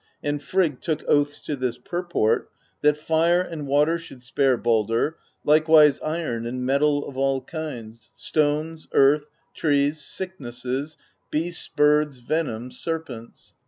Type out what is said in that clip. And Frigg took oaths to this purport, that fire and water should spare Baldr, likewise iron and metal of all kinds, stones, earth, trees, sicknesses, beasts, birds, venom, serpents.